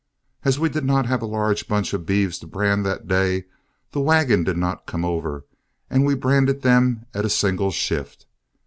As we did not have a large bunch of beeves to brand that day, the wagon did not come over and we branded them at a single shift.